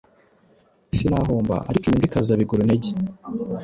sinahomba ariko inyungu ikaza biguru ntege.